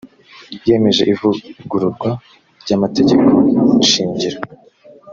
yemeje ivugururwa ry amategekoshingiro